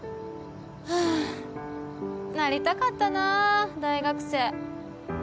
はぁ、なりたかったなぁ、大学生。